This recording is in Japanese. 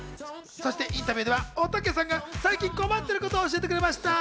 そしてインタビューでおたけさんが最近、困っていることを教えてくれました。